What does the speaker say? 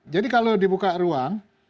jadi kalau dibuka ruang